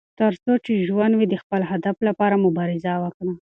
تر څو چې ژوند وي، د خپل هدف لپاره مبارزه وکړه.